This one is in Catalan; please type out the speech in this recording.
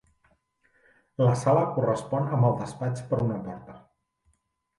La sala correspon amb el despatx per una porta.